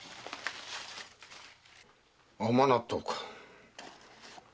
甘納豆か。